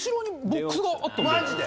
マジで？